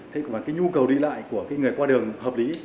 thế còn cái nhu cầu đi lại của cái người qua đường hợp lý